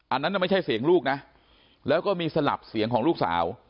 อันนั้นไม่ใช่เสียงลูกนะแล้วก็มีสลับเสียงของลูกสาว